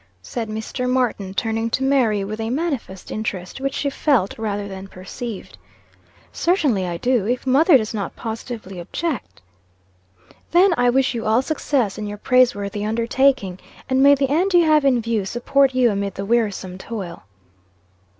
said Mr. Martin, turning to Mary, with a manifest interest, which she felt, rather than perceived. "Certainly I do, if mother does not positively object." "Then I wish you all success in your praiseworthy undertaking. And may the end you have in view support you amid the wearisome toil."